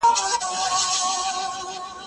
هغه څوک چي سفر کوي تجربه اخلي؟